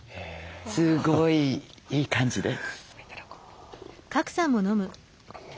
すごいいい感じです。